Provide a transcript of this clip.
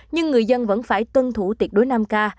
nhưng người dân vẫn phải tuân thủ tiệt đối năm ca